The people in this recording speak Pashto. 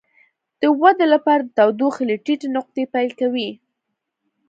د ودې لپاره د تودوخې له ټیټې نقطې پیل کوي.